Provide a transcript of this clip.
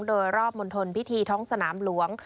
โดยรอบมณฑลพิธีท้องสนามหลวง